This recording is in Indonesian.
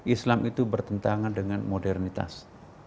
islam itu bertentangan dengan modernitas